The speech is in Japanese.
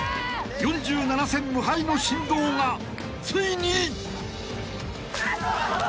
［４７戦無敗の神童がついに！？］